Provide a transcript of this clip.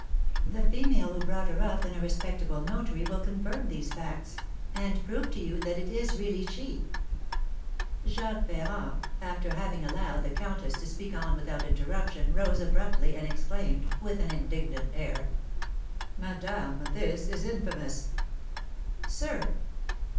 The female who brought her up and a respectable notary will confirm these facts, and prove to you that it is really she '" Jacques Ferrand, after having allowed the countess to speak on without interruption, rose abruptly, and exclaimed, with an indignant air: "Madame, this is infamous!" "Sir!"